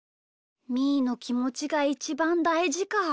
みーのきもちがいちばんだいじか。